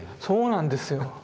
そうなんですよ。